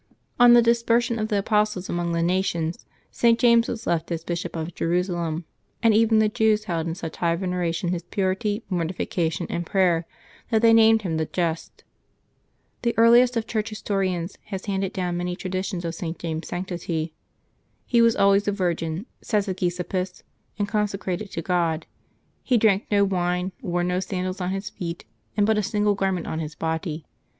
On the dispersion of the apostles among the nations, St. James was left as Bishop of Jerusalem; and even the Jews held in such high veneration his purity, mortification, and prayer, that they named him the Just. The earliest of Church historians has handed down many May 2] LIVES OF THE SAINTS 165 traditions of St. James's sanctity. He was always a virgin, says Hegesippus, and consecrated to God. He drank no wine, wore no sandals on his feet, and but a single gar ment on his body.